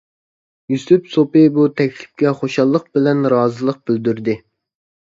يۈسۈپ سوپى بۇ تەكلىپكە خۇشاللىق بىلەن رازىلىق بىلدۈردى.